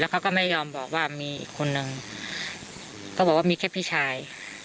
เขาก็ไม่ยอมบอกว่ามีอีกคนนึงเขาบอกว่ามีแค่พี่ชาย